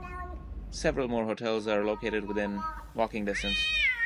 Several more hotels are located within walking distance.